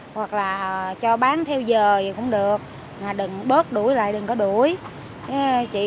hoặc là cho bán theo giờ gì cũng được mà đừng bớt đuổi lại đừng có đuổi